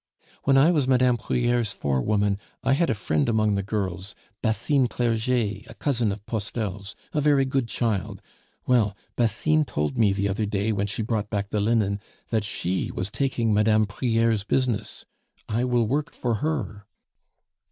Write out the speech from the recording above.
"When I was Mme. Prieur's forewoman I had a friend among the girls, Basine Clerget, a cousin of Postel's, a very good child; well, Basine told me the other day when she brought back the linen, that she was taking Mme. Prieur's business; I will work for her."